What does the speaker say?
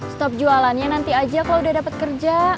stop jualan ya nanti aja kalo udah dapet kerja